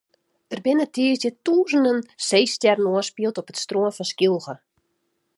Der binne tiisdei tûzenen seestjerren oanspield op it strân fan Skylge.